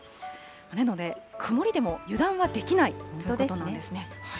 なので曇りでも油断はできないということなんですね。